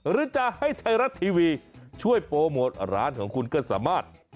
หรือจะให้ไทยรัฐทีวีช่วยโปรโมทร้านของคุณก็สามารถ